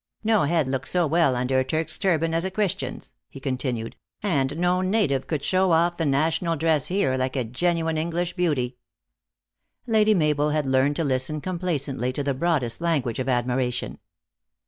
" No head looks so well under a Turk s turban as a Christian s," he continued, " and no native could show off the national dress here like a genuine English beauty." Lady Mabel had learned to listen complacently to the broadest lan guage of admiration.